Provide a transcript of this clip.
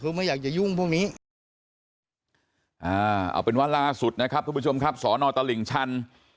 เอาเป็นวันล่าสุดนะครับคุณผู้ชมครับสนตลิ่งชัน